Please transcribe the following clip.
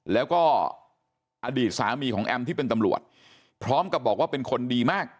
แล้วก็อดีตสามีของแอมที่เป็นตำรวจพร้อมกับบอกว่าเป็นคนดีมาก